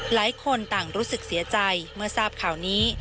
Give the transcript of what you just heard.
หลายคนต่างรู้สึกเสียใจเมื่อทราบข่าวนี้